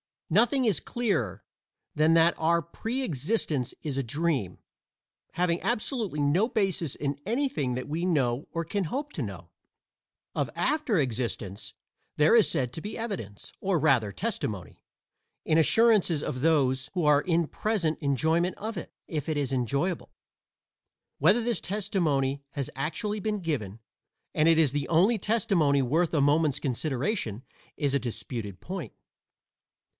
Nothing is clearer than that our pre existence is a dream, having absolutely no basis in anything that we know or can hope to know. Of after existence there is said to be evidence, or rather testimony, in assurances of those who are in present enjoyment of it if it is enjoyable. Whether this testimony has actually been given and it is the only testimony worth a moment's consideration is a disputed point.